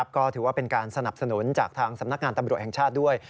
ก็ถือว่าเป็นการสนับสนุนจากทางสำนักงานตำรวจแห่งชาติด้วย